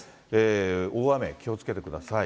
大雨気をつけてください。